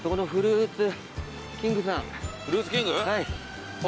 熱海フルーツキング。